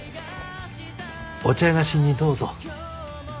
お茶菓子にどうぞ。